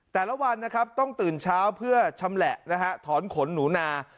แต่ละวันนะครับต้องตื่นเช้าเพื่อชำแหละนะฮะถอนขนหนูนา